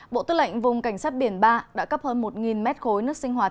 bộ tư lệnh vùng cảnh sát biển ba đã cấp hơn một mét khối nước sinh hoạt